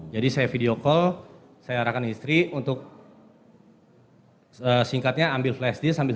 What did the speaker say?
jadi saya video call saya arahkan istri untuk singkatnya ambil flash disk